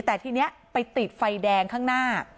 แต่ทีนี้ไปติดไฟแดงข้างหน้า